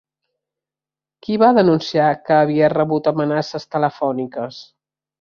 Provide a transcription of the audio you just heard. Qui va denunciar que havia rebut amenaces telefòniques?